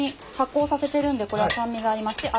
発酵させてるんでこれは酸味があります。